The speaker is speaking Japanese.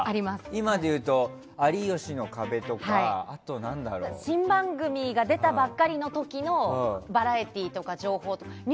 今でいうと「有吉の壁」とか新番組が出たばかりの時のバラエティーとか情報とか。